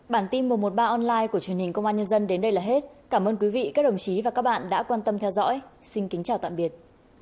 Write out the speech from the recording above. bản tin một trăm một mươi ba online của truyền hình công an nhân dân đến đây là hết cảm ơn quý vị các đồng chí và các bạn đã quan tâm theo dõi xin kính chào tạm biệt